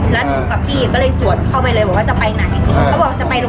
แล้วพี่กายังลูกกันก็สวดเข้าไปเลยว่าจะไปไหน